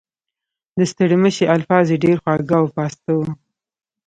د ستړي مشي الفاظ یې ډېر خواږه او پاسته وو.